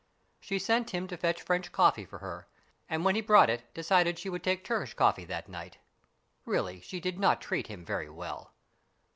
She sent him to fetch French coffee for her, and when he brought it decided that she would take Turkish coffee that night. Really, she did not treat him very well.